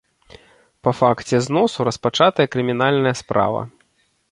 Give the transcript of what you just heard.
Па факце зносу распачатая крымінальная справа.